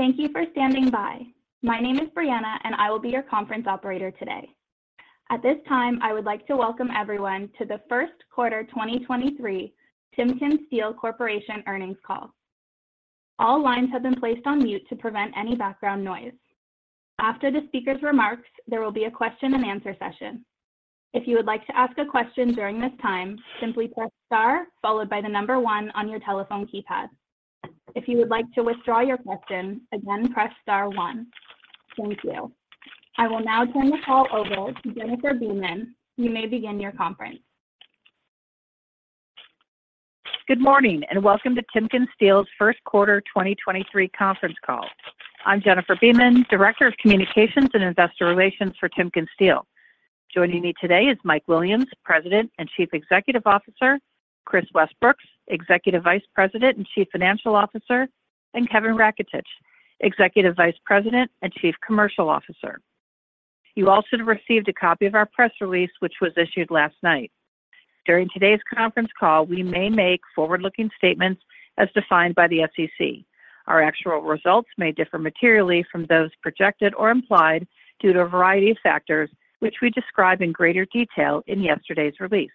Thank you for standing by. My name is Brianna, and I will be your conference operator today. At this time, I would like to welcome everyone to the first quarter 2023 TimkenSteel Corporation earnings call. All lines have been placed on mute to prevent any background noise. After the speaker's remarks, there will be a question-and-answer session. If you would like to ask a question during this time, simply press star followed by the one on your telephone keypad. If you would like to withdraw your question, again press star one. Thank you. I will now turn the call over to Jennifer Beeman. You may begin your conference. Good morning, welcome to TimkenSteel's first quarter 2023 conference call. I'm Jennifer Beeman, Director of Communications and Investor Relations for TimkenSteel. Joining me today is Mike Williams, President and Chief Executive Officer, Kris Westbrooks, Executive Vice President and Chief Financial Officer, and Kevin Raketich, Executive Vice President and Chief Commercial Officer. You all should have received a copy of our press release, which was issued last night. During today's conference call, we may make forward-looking statements as defined by the SEC. Our actual results may differ materially from those projected or implied due to a variety of factors, which we describe in greater detail in yesterday's release.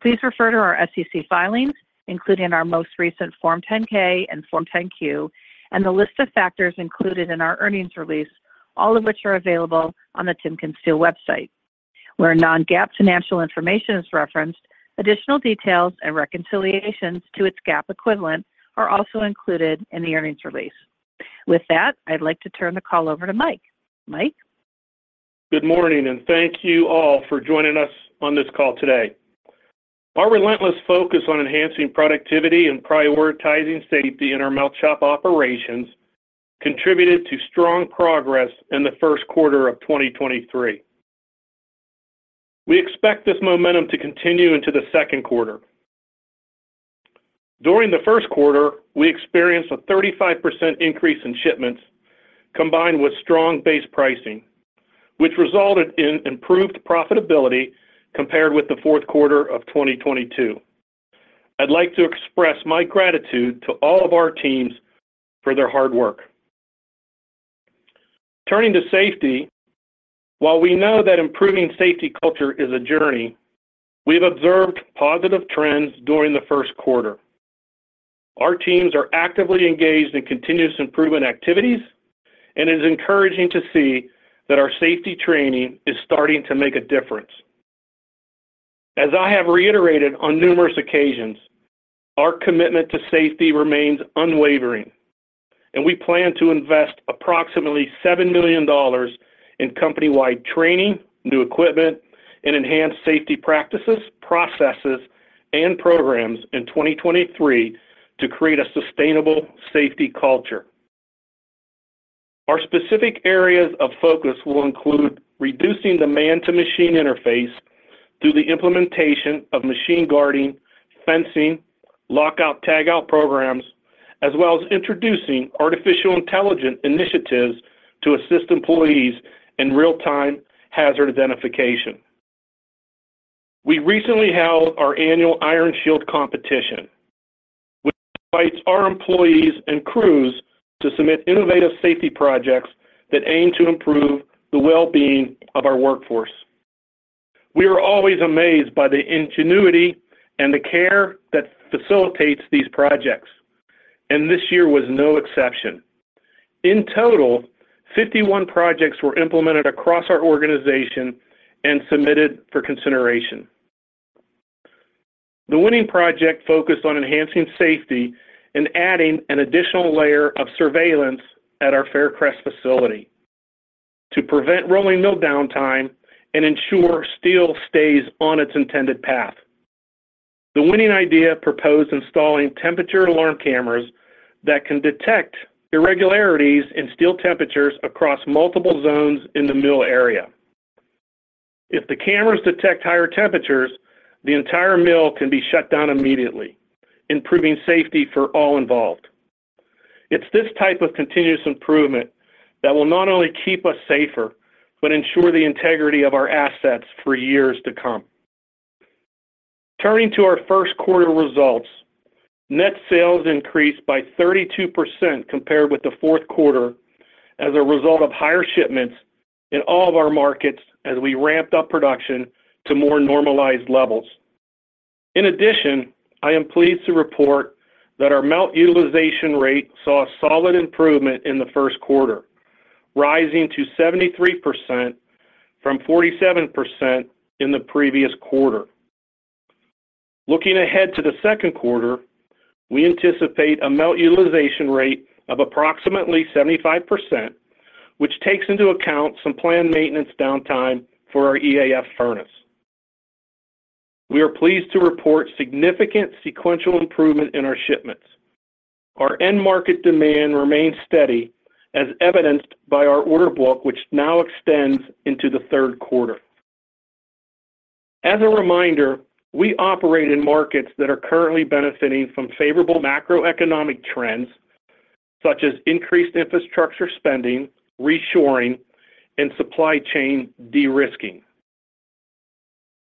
Please refer to our SEC filings, including our most recent Form 10-K and Form 10-Q, and the list of factors included in our earnings release, all of which are available on the TimkenSteel website. Where non-GAAP financial information is referenced, additional details and reconciliations to its GAAP equivalent are also included in the earnings release. With that, I'd like to turn the call over to Mike. Mike? Good morning, and thank you all for joining us on this call today. Our relentless focus on enhancing productivity and prioritizing safety in our melt shop operations contributed to strong progress in the first quarter of 2023. We expect this momentum to continue into the second quarter. During the first quarter, we experienced a 35% increase in shipments combined with strong base pricing, which resulted in improved profitability compared with the fourth quarter of 2022. I'd like to express my gratitude to all of our teams for their hard work. Turning to safety, while we know that improving safety culture is a journey, we've observed positive trends during the first quarter. Our teams are actively engaged in continuous improvement activities and it is encouraging to see that our safety training is starting to make a difference. As I have reiterated on numerous occasions, our commitment to safety remains unwavering, and we plan to invest approximately $7 million in company-wide training, new equipment, and enhanced safety practices, processes, and programs in 2023 to create a sustainable safety culture. Our specific areas of focus will include reducing the man-to-machine interface through the implementation of machine guarding, fencing, lockout/tagout programs, as well as introducing artificial intelligence initiatives to assist employees in real-time hazard identification. We recently held our annual Iron Shield competition, which invites our employees and crews to submit innovative safety projects that aim to improve the well-being of our workforce. We are always amazed by the ingenuity and the care that facilitates these projects, and this year was no exception. In total, 51 projects were implemented across our organization and submitted for consideration. The winning project focused on enhancing safety and adding an additional layer of surveillance at our Faircrest facility to prevent rolling mill downtime and ensure steel stays on its intended path. The winning idea proposed installing temperature alarm cameras that can detect irregularities in steel temperatures across multiple zones in the mill area. If the cameras detect higher temperatures, the entire mill can be shut down immediately, improving safety for all involved. It's this type of continuous improvement that will not only keep us safer, but ensure the integrity of our assets for years to come. Our first quarter results, net sales increased by 32% compared with the fourth quarter as a result of higher shipments in all of our markets as we ramped up production to more normalized levels. I am pleased to report that our melt utilization rate saw a solid improvement in the first quarter, rising to 73% from 47% in the previous quarter. Looking ahead to the second quarter, we anticipate a melt utilization rate of approximately 75%, which takes into account some planned maintenance downtime for our EAF furnace. We are pleased to report significant sequential improvement in our shipments. Our end market demand remains steady, as evidenced by our order book, which now extends into the third quarter. As a reminder, we operate in markets that are currently benefiting from favorable macroeconomic trends, such as increased infrastructure spending, reshoring, and supply chain de-risking.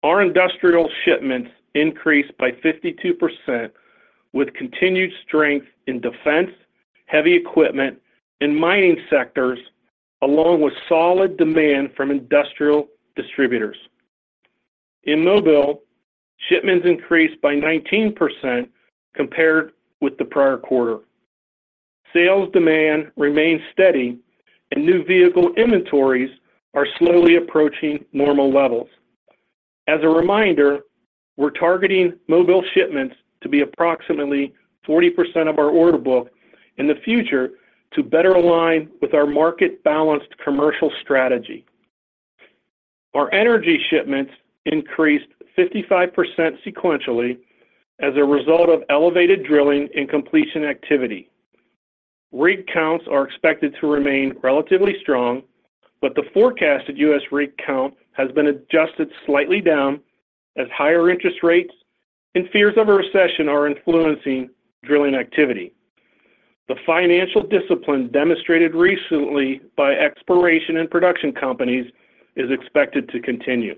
Our industrial shipments increased by 52% with continued strength in defense, heavy equipment, and mining sectors, along with solid demand from industrial distributors. In mobile, shipments increased by 19% compared with the prior quarter. Sales demand remains steady, and new vehicle inventories are slowly approaching normal levels. As a reminder, we're targeting mobile shipments to be approximately 40% of our order book in the future to better align with our market-balanced commercial strategy. Our energy shipments increased 55% sequentially as a result of elevated drilling and completion activity. Rig counts are expected to remain relatively strong, but the forecasted U.S. rig count has been adjusted slightly down as higher interest rates and fears of a recession are influencing drilling activity. The financial discipline demonstrated recently by exploration and production companies is expected to continue.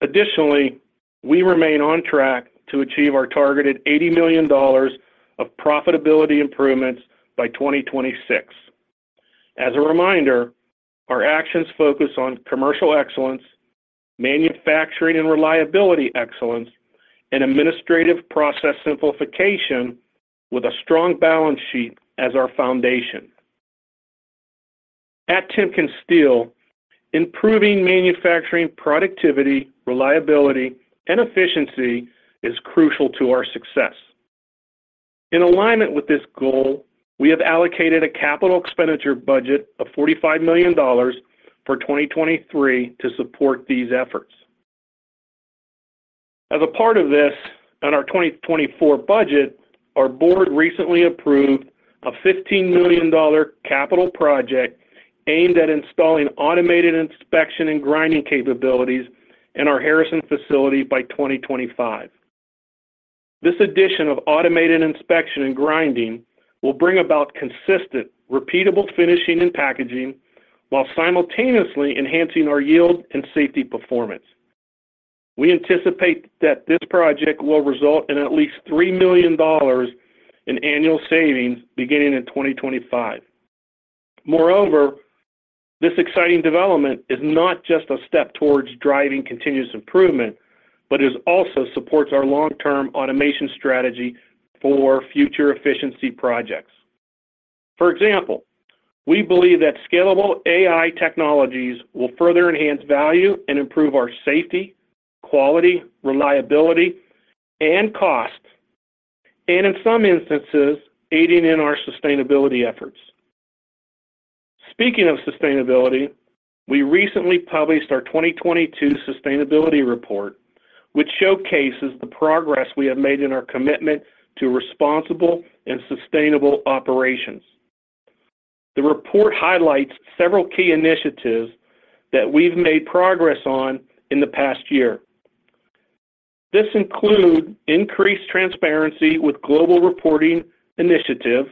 Additionally, we remain on track to achieve our targeted $80 million of profitability improvements by 2026. As a reminder, our actions focus on commercial excellence, manufacturing and reliability excellence, and administrative process simplification with a strong balance sheet as our foundation. At TimkenSteel, improving manufacturing productivity, reliability, and efficiency is crucial to our success. In alignment with this goal, we have allocated a CapEx budget of $45 million for 2023 to support these efforts. As a part of this and our 2024 budget, our board recently approved a $15 million capital project aimed at installing automated inspection and grinding capabilities in our Harrison facility by 2025. This addition of automated inspection and grinding will bring about consistent, repeatable finishing and packaging while simultaneously enhancing our yield and safety performance. We anticipate that this project will result in at least $3 million in annual savings beginning in 2025. Moreover, this exciting development is not just a step towards driving continuous improvement, but it also supports our long-term automation strategy for future efficiency projects. For example, we believe that scalable AI technologies will further enhance value and improve our safety, quality, reliability, and cost, and in some instances, aiding in our sustainability efforts. Speaking of sustainability, we recently published our 2022 sustainability report, which showcases the progress we have made in our commitment to responsible and sustainable operations. The report highlights several key initiatives that we've made progress on in the past year. This include increased transparency with Global Reporting Initiative,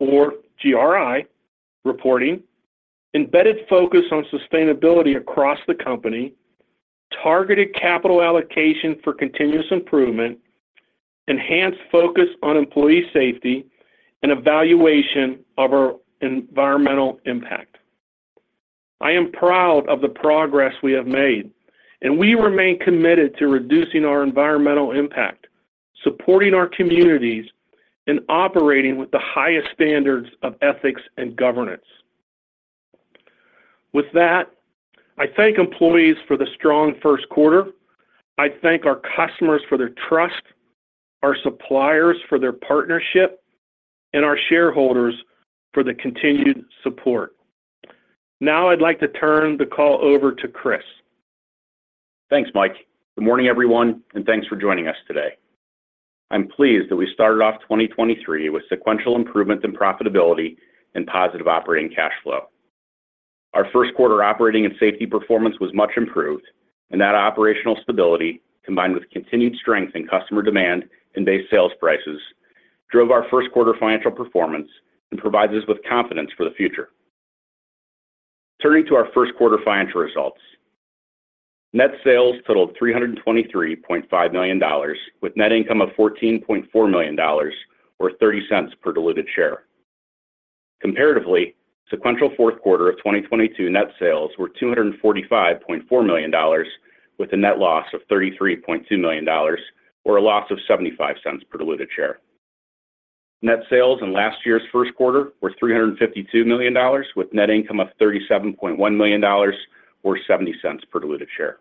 or GRI, reporting, embedded focus on sustainability across the company, targeted capital allocation for continuous improvement, enhanced focus on employee safety, and evaluation of our environmental impact. I am proud of the progress we have made, and we remain committed to reducing our environmental impact, supporting our communities, and operating with the highest standards of ethics and governance. With that, I thank employees for the strong first quarter. I thank our customers for their trust, our suppliers for their partnership, and our shareholders for the continued support. I'd like to turn the call over to Kris. Thanks, Mike. Good morning, everyone, and thanks for joining us today. I'm pleased that we started off 2023 with sequential improvement in profitability and positive operating cash flow. Our first quarter operating and safety performance was much improved, that operational stability, combined with continued strength in customer demand and base sales prices, drove our first quarter financial performance and provides us with confidence for the future. Turning to our first quarter financial results. Net sales totaled $323.5 million with net income of $14.4 million or $0.30 per diluted share. Comparatively, sequential fourth quarter of 2022 net sales were $245.4 million with a net loss of $33.2 million or a loss of $0.75 per diluted share. Net sales in last year's first quarter were $352 million with net income of $37.1 million or $0.70 per diluted share.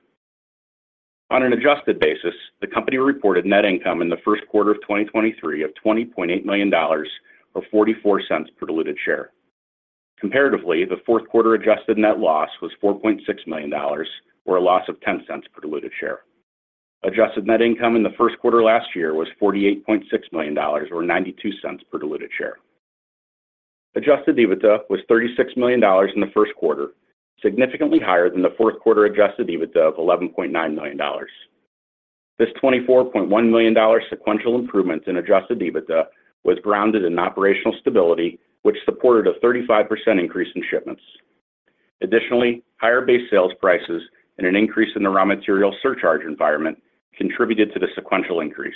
On an adjusted basis, the company reported net income in the first quarter of 2023 of $20.8 million or $0.44 per diluted share. Comparatively, the fourth quarter adjusted net loss was $4.6 million or a loss of $0.10 per diluted share. Adjusted net income in the first quarter last year was $48.6 million or $0.92 per diluted share. Adjusted EBITDA was $36 million in the first quarter, significantly higher than the fourth quarter adjusted EBITDA of $11.9 million. This $24.1 million sequential improvement in adjusted EBITDA was grounded in operational stability, which supported a 35% increase in shipments. Additionally, higher base sales prices and an increase in the raw material surcharge environment contributed to the sequential increase.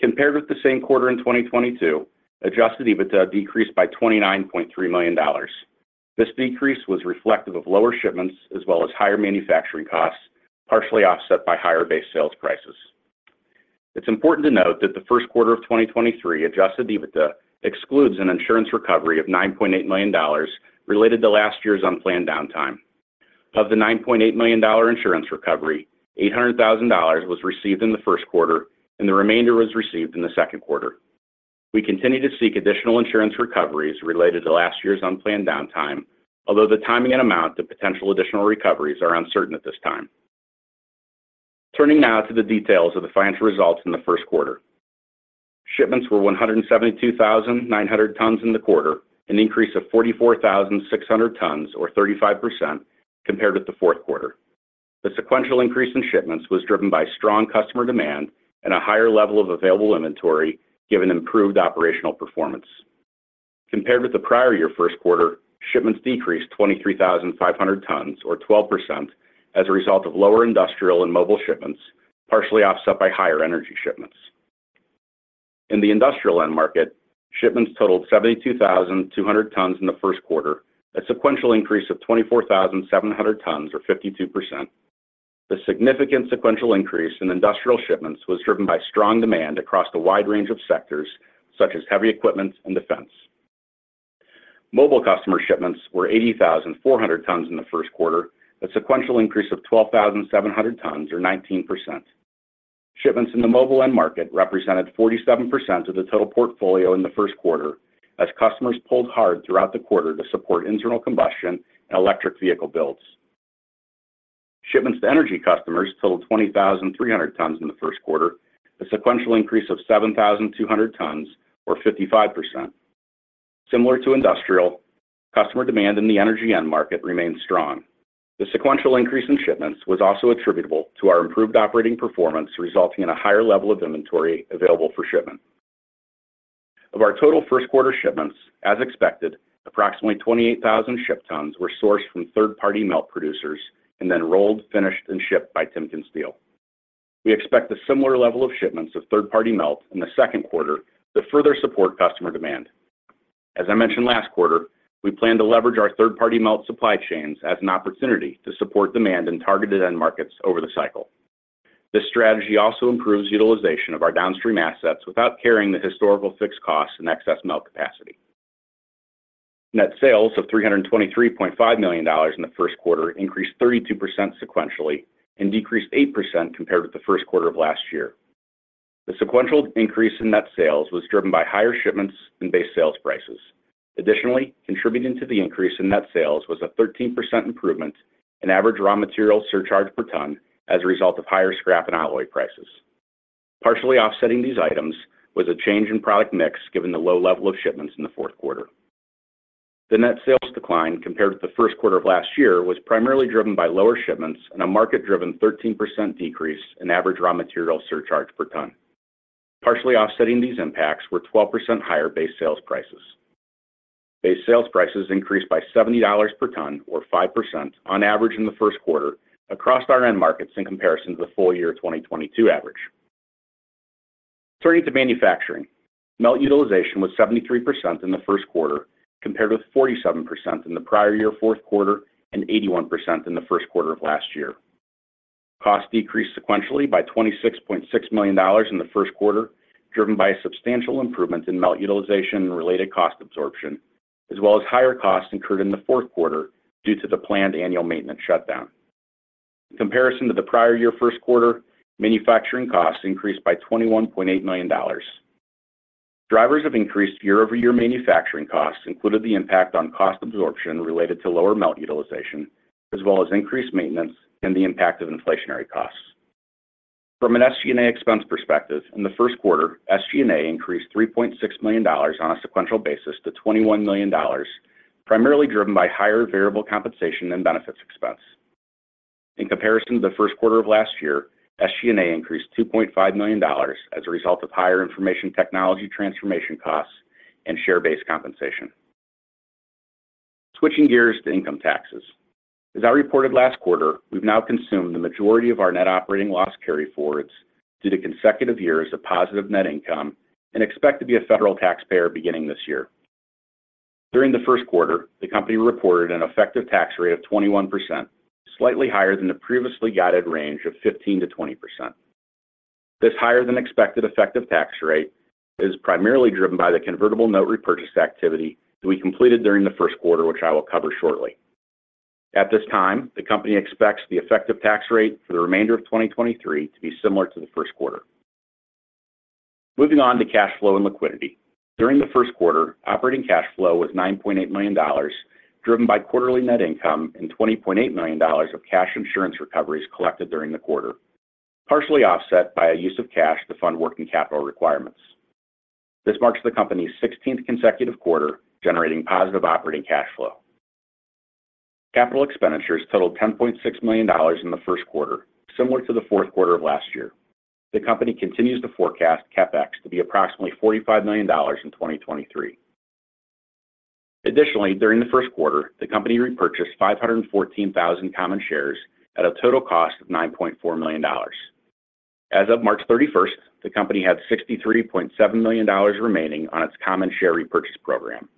Compared with the same quarter in 2022, adjusted EBITDA decreased by $29.3 million. This decrease was reflective of lower shipments as well as higher manufacturing costs, partially offset by higher base sales prices. It's important to note that the first quarter of 2023 adjusted EBITDA excludes an insurance recovery of $9.8 million related to last year's unplanned downtime. Of the $9.8 million insurance recovery, $800,000 was received in the first quarter and the remainder was received in the second quarter. We continue to seek additional insurance recoveries related to last year's unplanned downtime, although the timing and amount of potential additional recoveries are uncertain at this time. Turning now to the details of the financial results in the first quarter. Shipments were 172,900 tons in the quarter, an increase of 44,600 tons or 35% compared with the fourth quarter. The sequential increase in shipments was driven by strong customer demand and a higher level of available inventory given improved operational performance. Compared with the prior year first quarter, shipments decreased 23,500 tons or 12% as a result of lower industrial and mobile shipments, partially offset by higher energy shipments. In the industrial end market, shipments totaled 72,200 tons in the first quarter, a sequential increase of 24,700 tons or 52%. The significant sequential increase in industrial shipments was driven by strong demand across a wide range of sectors, such as heavy equipment and defense. Mobile customer shipments were 80,400 tons in the first quarter, a sequential increase of 12,700 tons or 19%. Shipments in the mobile end market represented 47% of the total portfolio in the first quarter as customers pulled hard throughout the quarter to support internal combustion and electric vehicle builds. Shipments to energy customers totaled 20,300 tons in the first quarter, a sequential increase of 7,200 tons or 55%. Similar to industrial, customer demand in the energy end market remains strong. The sequential increase in shipments was also attributable to our improved operating performance, resulting in a higher level of inventory available for shipment. Of our total first quarter shipments, as expected, approximately 28,000 shipped tons were sourced from third-party melt producers and then rolled, finished, and shipped by TimkenSteel. We expect a similar level of shipments of third-party melt in the second quarter to further support customer demand. As I mentioned last quarter, we plan to leverage our third-party melt supply chains as an opportunity to support demand in targeted end markets over the cycle. This strategy also improves utilization of our downstream assets without carrying the historical fixed costs and excess melt capacity. Net sales of $323.5 million in the first quarter increased 32% sequentially and decreased 8% compared with the first quarter of last year. The sequential increase in net sales was driven by higher shipments and base sales prices. Additionally, contributing to the increase in net sales was a 13% improvement in average raw material surcharge per ton as a result of higher scrap and alloy prices. Partially offsetting these items was a change in product mix given the low level of shipments in the fourth quarter. The net sales decline compared with the first quarter of last year was primarily driven by lower shipments and a market-driven 13% decrease in average raw material surcharge per ton. Partially offsetting these impacts were 12% higher base sales prices. Base sales prices increased by $70 per ton or 5% on average in the first quarter across our end markets in comparison to the full year 2022 average. Turning to manufacturing, melt utilization was 73% in the first quarter compared with 47% in the prior year fourth quarter and 81% in the first quarter of last year. Costs decreased sequentially by $26.6 million in the first quarter, driven by a substantial improvement in melt utilization and related cost absorption, as well as higher costs incurred in the fourth quarter due to the planned annual maintenance shutdown. In comparison to the prior year first quarter, manufacturing costs increased by $21.8 million. Drivers of increased year-over-year manufacturing costs included the impact on cost absorption related to lower melt utilization, as well as increased maintenance and the impact of inflationary costs. From an SG&A expense perspective, in the first quarter, SG&A increased $3.6 million on a sequential basis to $21 million, primarily driven by higher variable compensation and benefits expense. In comparison to the first quarter of last year, SG&A increased $2.5 million as a result of higher information technology transformation costs and share-based compensation. Switching gears to income taxes. As I reported last quarter, we've now consumed the majority of our net operating loss carryforwards due to consecutive years of positive net income and expect to be a federal taxpayer beginning this year. During the first quarter, the company reported an effective tax rate of 21%, slightly higher than the previously guided range of 15%-20%. This higher than expected effective tax rate is primarily driven by the convertible note repurchase activity that we completed during the first quarter, which I will cover shortly. At this time, the company expects the effective tax rate for the remainder of 2023 to be similar to the first quarter. Moving on to cash flow and liquidity. During the first quarter, operating cash flow was $9.8 million, driven by quarterly net income and $20.8 million of cash insurance recoveries collected during the quarter, partially offset by a use of cash to fund working capital requirements. This marks the company's sixteenth consecutive quarter generating positive operating cash flow. Capital expenditures totaled $10.6 million in the first quarter, similar to the fourth quarter of last year. The company continues to forecast CapEx to be approximately $45 million in 2023. Additionally, during the first quarter, the company repurchased 514,000 common shares at a total cost of $9.4 million. As of March 31st, the company had $63.7 million remaining on its common share repurchase program.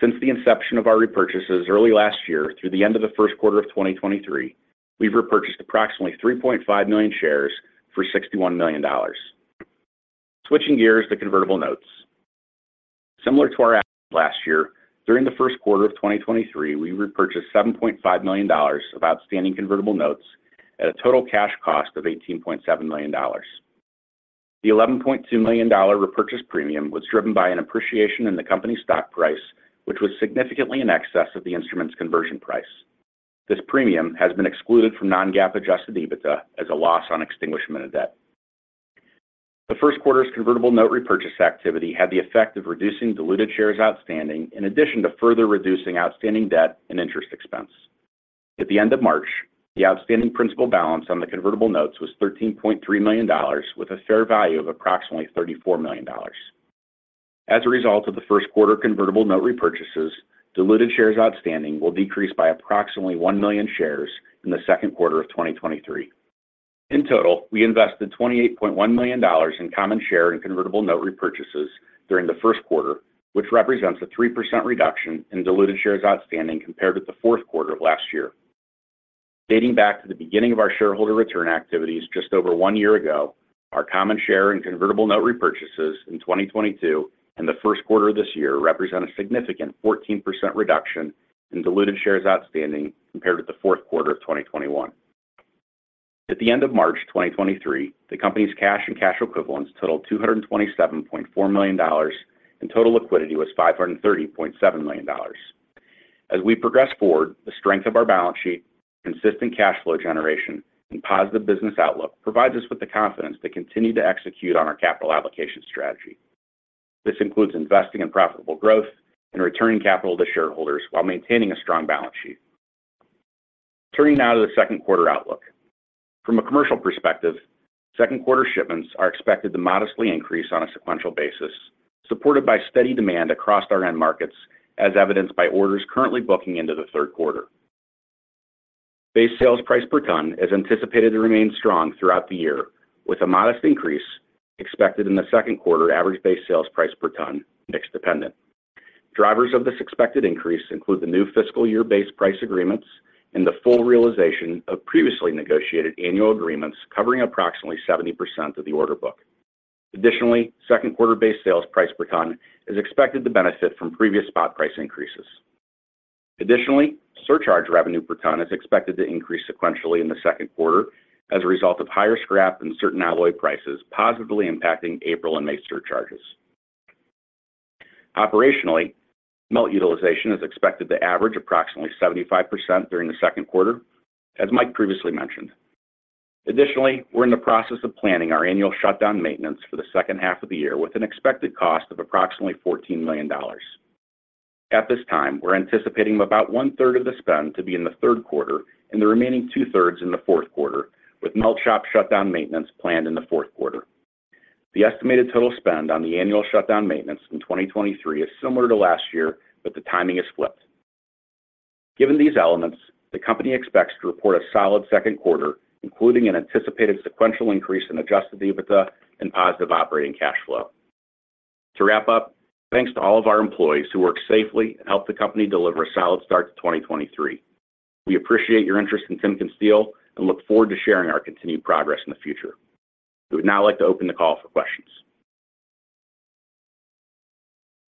Since the inception of our repurchases early last year through the end of the first quarter of 2023, we've repurchased approximately 3.5 million shares for $61 million. Switching gears to convertible notes. Similar to our last year, during the first quarter of 2023, we repurchased $7.5 million of outstanding convertible notes at a total cash cost of $18.7 million. The $11.2 million repurchase premium was driven by an appreciation in the company's stock price, which was significantly in excess of the instrument's conversion price. This premium has been excluded from non-GAAP adjusted EBITDA as a loss on extinguishment of debt. The first quarter's convertible note repurchase activity had the effect of reducing diluted shares outstanding in addition to further reducing outstanding debt and interest expense. At the end of March, the outstanding principal balance on the convertible notes was $13.3 million with a fair value of approximately $34 million. As a result of the first quarter convertible note repurchases, diluted shares outstanding will decrease by approximately 1 million shares in the second quarter of 2023. In total, we invested $28.1 million in common share and convertible note repurchases during the first quarter, which represents a 3% reduction in diluted shares outstanding compared with the fourth quarter of last year. Dating back to the beginning of our shareholder return activities just over 1 year ago, our common share and convertible note repurchases in 2022 and the first quarter of this year represent a significant 14% reduction in diluted shares outstanding compared with the fourth quarter of 2021. At the end of March 2023, the company's cash and cash equivalents totaled $227.4 million. Total liquidity was $530.7 million. As we progress forward, the strength of our balance sheet, consistent cash flow generation, and positive business outlook provides us with the confidence to continue to execute on our capital allocation strategy. This includes investing in profitable growth and returning capital to shareholders while maintaining a strong balance sheet. Turning now to the second quarter outlook. From a commercial perspective, second quarter shipments are expected to modestly increase on a sequential basis, supported by steady demand across our end markets, as evidenced by orders currently booking into the third quarter. Base sales price per ton is anticipated to remain strong throughout the year, with a modest increase expected in the second quarter average base sales price per ton, mix dependent. Drivers of this expected increase include the new fiscal year base price agreements and the full realization of previously negotiated annual agreements covering approximately 70% of the order book. Second quarter base sales price per ton is expected to benefit from previous spot price increases. Surcharge revenue per ton is expected to increase sequentially in the second quarter as a result of higher scrap and certain alloy prices positively impacting April and May surcharges. Operationally, melt utilization is expected to average approximately 75% during the second quarter, as Mike previously mentioned. We're in the process of planning our annual shutdown maintenance for the second half of the year with an expected cost of approximately $14 million. At this time, we're anticipating about one-third of the spend to be in the third quarter and the remaining two-thirds in the fourth quarter, with melt shop shutdown maintenance planned in the fourth quarter. The estimated total spend on the annual shutdown maintenance in 2023 is similar to last year, the timing is flipped. Given these elements, the company expects to report a solid second quarter, including an anticipated sequential increase in adjusted EBITDA and positive operating cash flow. To wrap up, thanks to all of our employees who work safely and help the company deliver a solid start to 2023. We appreciate your interest in TimkenSteel and look forward to sharing our continued progress in the future. We would now like to open the call for questions.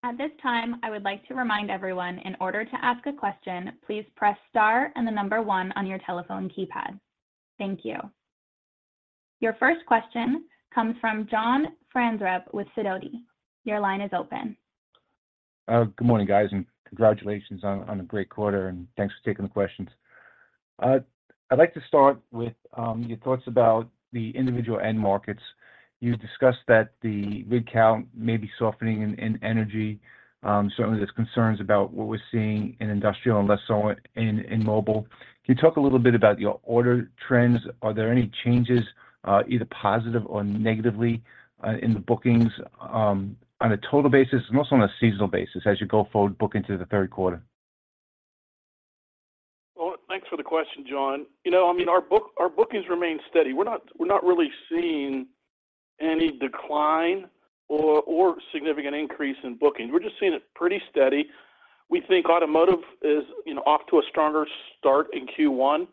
At this time, I would like to remind everyone in order to ask a question, please press star and the number one on your telephone keypad. Thank you. Your first question comes from John Franzreb with Sidoti. Your line is open. Good morning, guys, and congratulations on a great quarter, and thanks for taking the questions. I'd like to start with your thoughts about the individual end markets. You discussed that the rig count may be softening in energy. Certainly there's concerns about what we're seeing in industrial and less so in mobile. Can you talk a little bit about your order trends? Are there any changes, either positive or negatively, in the bookings, on a total basis and also on a seasonal basis as you go forward book into the third quarter? Well, thanks for the question, John. You know, I mean, our bookings remain steady. We're not really seeing any decline or significant increase in bookings. We're just seeing it pretty steady. We think automotive is, you know, off to a stronger start in Q1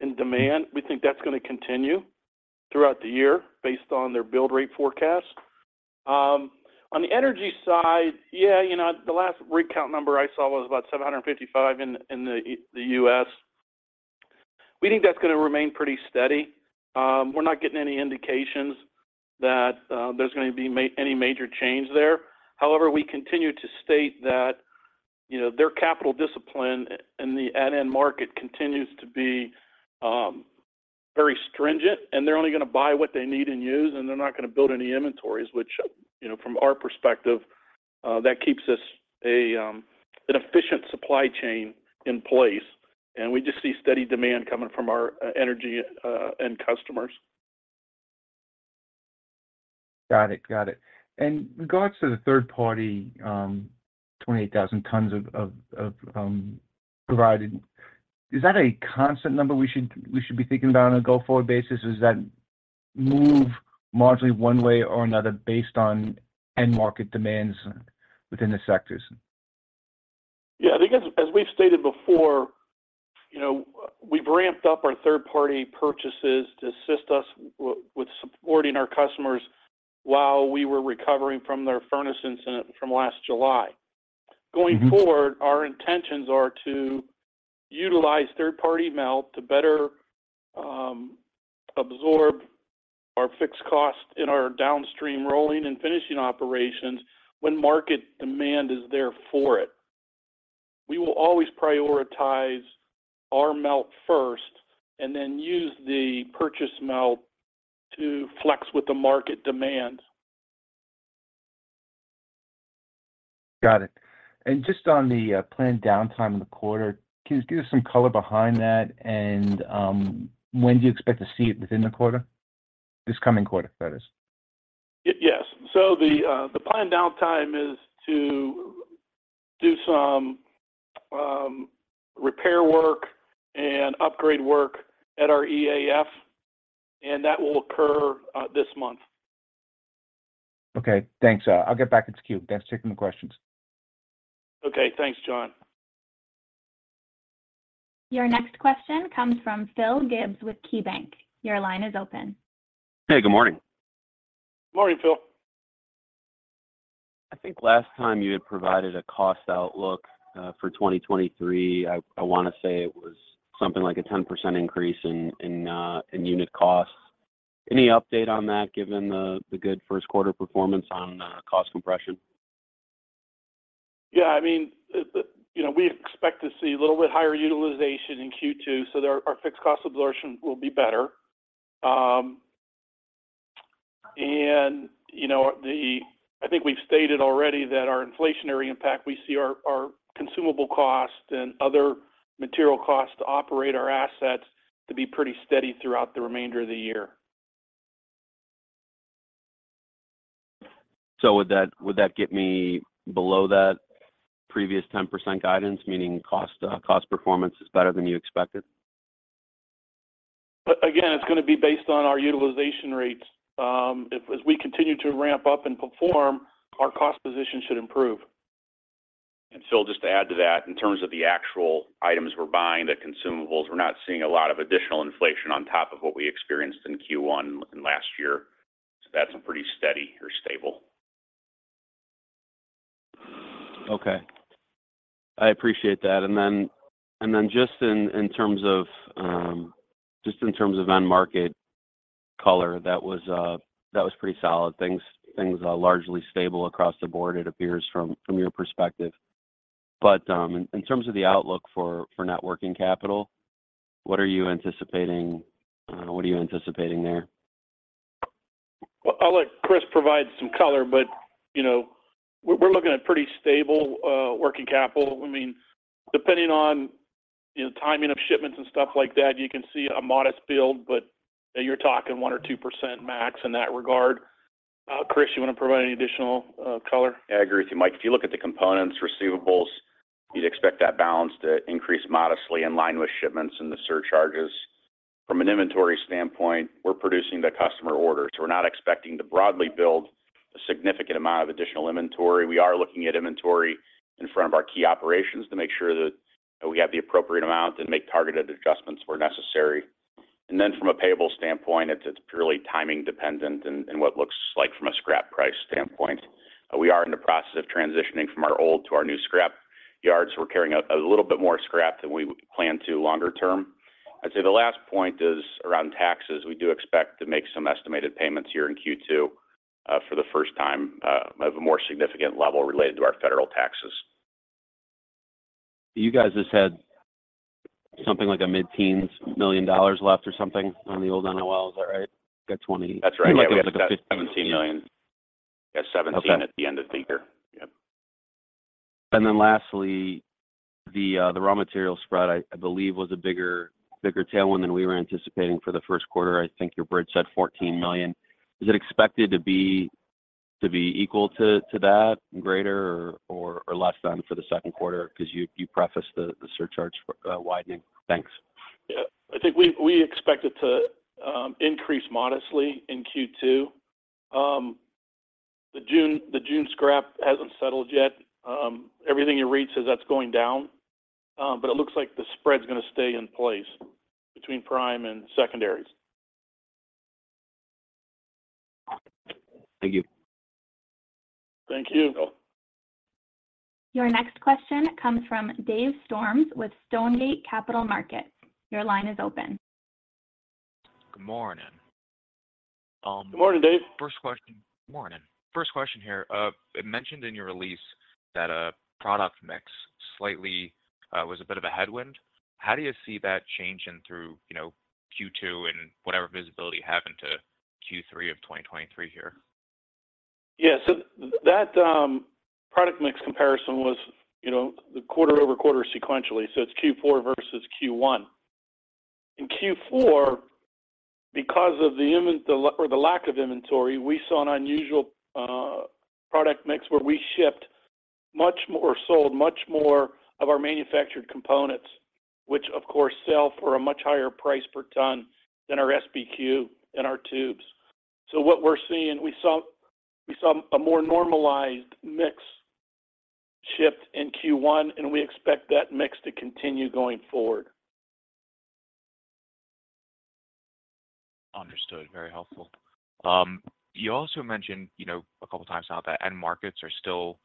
in demand. We think that's gonna continue throughout the year based on their build rate forecast. On the energy side, yeah, you know, the last rig count number I saw was about 755 in the U.S. We think that's gonna remain pretty steady. We're not getting any indications that there's gonna be any major change there. We continue to state that, you know, their capital discipline in the at end market continues to be, Very stringent. They're only gonna buy what they need and use, and they're not gonna build any inventories, which, you know, from our perspective, that keeps us an efficient supply chain in place. We just see steady demand coming from our energy end customers. Got it. Got it. In regards to the third-party, 28,000 tons of provided, is that a constant number we should be thinking about on a go-forward basis? Does that move largely one way or another based on end market demands within the sectors? Yeah. I think as we've stated before, you know, we've ramped up our third-party purchases to assist us with supporting our customers while we were recovering from their furnace incident from last July. Mm-hmm. Going forward, our intentions are to utilize third-party melt to better absorb our fixed costs in our downstream rolling and finishing operations when market demand is there for it. We will always prioritize our melt first, and then use the purchase melt to flex with the market demand. Got it. Just on the planned downtime in the quarter, can you just give us some color behind that, and when do you expect to see it within the quarter? This coming quarter, that is. Yes. The planned downtime is to do some repair work and upgrade work at our EAF, and that will occur this month. Okay. Thanks. I'll get back into queue. Thanks. Taking more questions. Okay. Thanks, John. Your next question comes from Phil Gibbs with KeyBank. Your line is open. Hey. Good morning. Morning, Phil. I think last time you had provided a cost outlook for 2023. I wanna say it was something like a 10% increase in unit costs. Any update on that given the good first quarter performance on cost compression? I mean, you know, we expect to see a little bit higher utilization in Q2, so our fixed cost absorption will be better. You know, I think we've stated already that our inflationary impact, we see our consumable costs and other material costs to operate our assets to be pretty steady throughout the remainder of the year. Would that, would that get me below that previous 10% guidance, meaning cost performance is better than you expected? Again, it's gonna be based on our utilization rates. If as we continue to ramp up and perform, our cost position should improve. Phil, just to add to that, in terms of the actual items we're buying, the consumables, we're not seeing a lot of additional inflation on top of what we experienced in Q1 looking last year. That's pretty steady or stable. Okay. I appreciate that. Just in terms of end market color, that was pretty solid. Things are largely stable across the board it appears from your perspective. In terms of the outlook for net working capital, what are you anticipating there? Well, I'll let Kris provide some color, but, you know, we're looking at pretty stable working capital. I mean, depending on, you know, timing of shipments and stuff like that, you can see a modest build, but you're talking 1% or 2% max in that regard. Kris, you wanna provide any additional color? I agree with you, Mike. If you look at the components, receivables, you'd expect that balance to increase modestly in line with shipments and the surcharges. From an inventory standpoint, we're producing the customer orders. We're not expecting to broadly build a significant amount of additional inventory. We are looking at inventory in front of our key operations to make sure that we have the appropriate amount and make targeted adjustments where necessary. From a payable standpoint, it's purely timing dependent and what looks like from a scrap price standpoint. We are in the process of transitioning from our old to our new scrap yards. We're carrying a little bit more scrap than we plan to longer term. I'd say the last point is around taxes. We do expect to make some estimated payments here in Q2, for the first time, of a more significant level related to our federal taxes. You guys just had something like a $mid-teens million left or something on the old NOLs, right? That's right. Yeah. You might get like a 15... $17 million. Yeah. Okay. at the end of the year. Yep. Lastly, the raw material spread I believe was a bigger tailwind than we were anticipating for the first quarter. I think your bridge said $14 million. Is it expected to be equal to that, greater or less than for the second quarter? Because you prefaced the surcharge widening. Thanks. Yeah. I think we expect it to increase modestly in Q2. The June scrap hasn't settled yet. Everything you read says that's going down. It looks like the spread's gonna stay in place between prime and secondaries. Thank you. Thank you. You're welcome. Your next question comes from Dave Storms with Stonegate Capital Markets. Your line is open. Good morning. Good morning, Dave. First question. Morning. First question here. It mentioned in your release that product mix slightly was a bit of a headwind. How do you see that changing through, you know, Q2 and whatever visibility you have into Q3 of 2023 here? Yeah. That, you know, product mix comparison was the quarter-over-quarter sequentially, so it's Q4 versus Q1. In Q4, because of the lack of inventory, we saw an unusual product mix where we shipped much more or sold much more of our manufactured components, which of course sell for a much higher price per ton than our SBQ and our tubes. What we're seeing, we saw a more normalized mix shift in Q1, and we expect that mix to continue going forward. Understood. Very helpful. You also mentioned, you know, a couple times now that end markets are still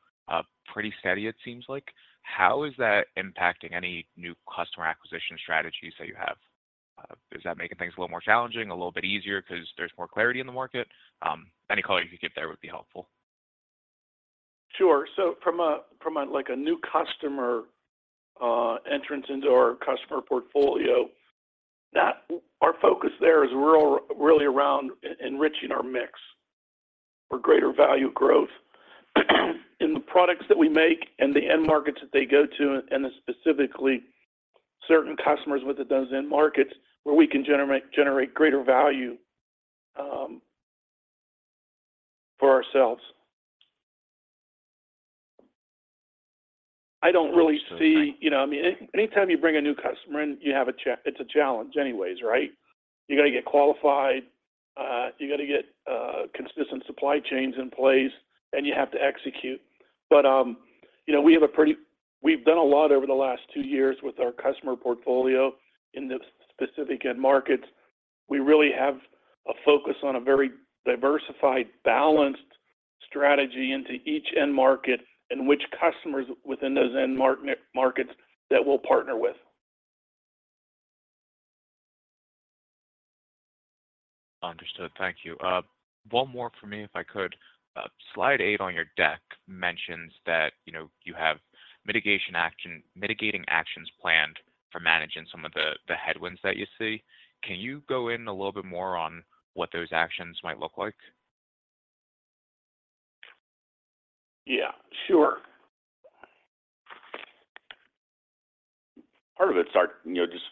pretty steady it seems like. How is that impacting any new customer acquisition strategies that you have? Is that making things a little more challenging, a little bit easier 'cause there's more clarity in the market? Any color you could give there would be helpful. Sure. From a, from a, like, a new customer, entrance into our customer portfolio, our focus there is really around enriching our mix for greater value growth in the products that we make and the end markets that they go to, and then specifically certain customers with those end markets where we can generate greater value for ourselves. I don't really see. Understood. Thank you. You know, I mean, anytime you bring a new customer in, it's a challenge anyways, right? You gotta get qualified, you gotta get consistent supply chains in place, and you have to execute. You know, we've done a lot over the last two years with our customer portfolio in the specific end markets. We really have a focus on a very diversified, balanced strategy into each end market and which customers within those end markets that we'll partner with. Understood. Thank you. One more from me, if I could. Slide 8 on your deck mentions that, you know, you have mitigating actions planned for managing some of the headwinds that you see. Can you go in a little bit more on what those actions might look like? Yeah, sure. Part of it, you know, just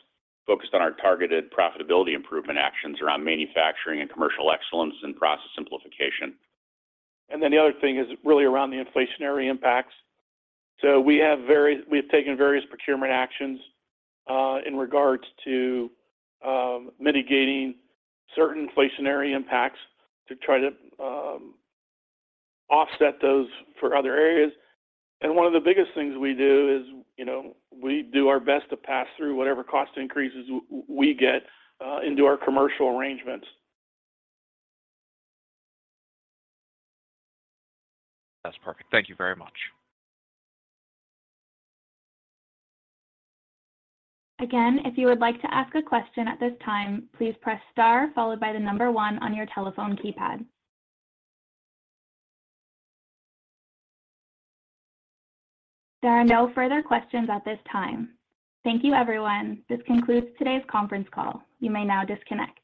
focused on our targeted profitability improvement actions around manufacturing and commercial excellence and process simplification. The other thing is really around the inflationary impacts. We have taken various procurement actions in regards to mitigating certain inflationary impacts to try to offset those for other areas. One of the biggest things we do is, you know, we do our best to pass through whatever cost increases we get into our commercial arrangements. That's perfect. Thank you very much. Again, if you would like to ask a question at this time, please press star followed by the 1 on your telephone keypad. There are no further questions at this time. Thank you, everyone. This concludes today's conference call. You may now disconnect.